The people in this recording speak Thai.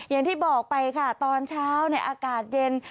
อย่างที่บอกไปค่ะตอนเช้าอากาศเย็น